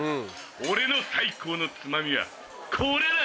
俺の最高のつまみはこれだ！